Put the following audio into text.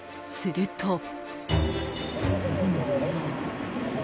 すると。